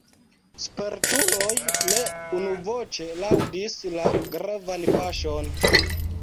Spertuloj ne unuvoĉe laŭdis la gravan paŝon.